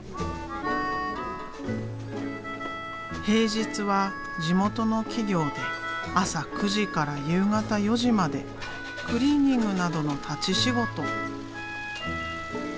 平日は地元の企業で朝９時から夕方４時までクリーニングなどの立ち仕事。